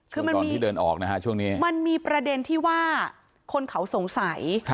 คือมันมีมันมีประเด็นที่ว่าคนเขาสงสัย